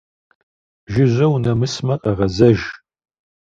Жыжьэ унэмысамэ, къэгъэзэж.